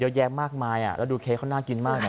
เยอะแยะมากมายแล้วดูเค้กเขาน่ากินมากนะ